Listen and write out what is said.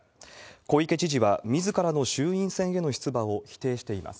小池知事はみずからの衆院選への出馬を否定しています。